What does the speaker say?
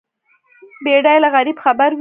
بډای له غریب خبر وي.